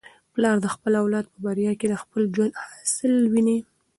پلار د خپل اولاد په بریا کي د خپل ژوند حاصل ویني.